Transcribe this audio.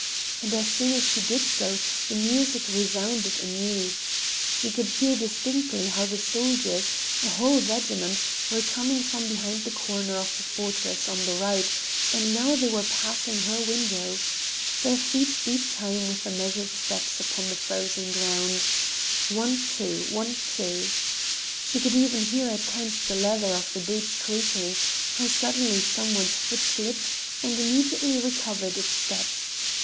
And as soon as she did so the music resounded anew. She could hear distinctly how the soldiers, a whole regiment, were coming from behind the corner of the fortress, on the right, and now they were passing her window. Their feet beat time with measured steps upon the frozen ground: One—two! One—two! She could even hear at times the leather of the boots creaking, how suddenly some one's foot slipped and immediately recovered its steps.